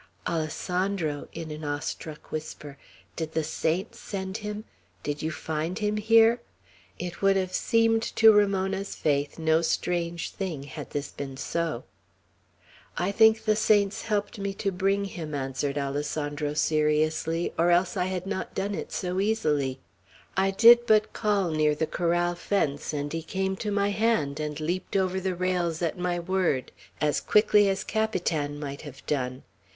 "Alessandro," in an awe struck whisper, "did the saints send him? Did you find him here?" It would have seemed to Ramona's faith no strange thing, had this been so. "I think the saints helped me to bring him," answered Alessandro, seriously, "or else I had not done it so easily. I did but call, near the corral fence, and he came to my hand, and leaped over the rails at my word, as quickly as Capitan might have done.